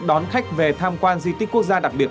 đón khách về tham quan di tích quốc gia đặc biệt